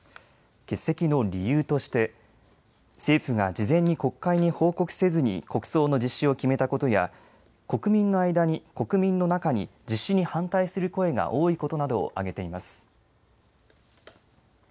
欠席の理由として政府が事前に国会に報告せずに国葬の実施を決めたことや国民の中に実施に反対する声が多いことなどを挙げています。